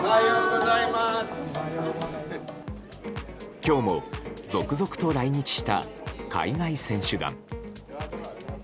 今日も続々と来日した海外選手団。